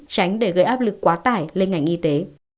tránh để gây áp lực quá tải lên ngành y tế